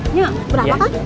ini berapa kak